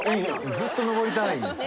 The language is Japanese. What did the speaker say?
ずっと登りたいんですよ。